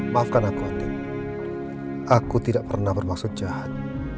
maafkan aku atik aku tidak pernah bermaksud jahat